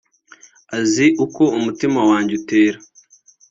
azi uko umutima wanjye utera